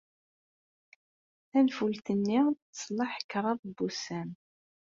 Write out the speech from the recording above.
Tanfult-nni teṣleḥ kraḍ n wussan.